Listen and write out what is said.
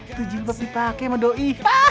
itu jilbab dipake sama doi